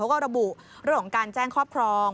ก็ระบุเรื่องของการแจ้งครอบครอง